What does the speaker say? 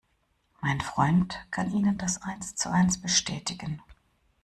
Mein Freund kann Ihnen das eins zu eins bestätigen.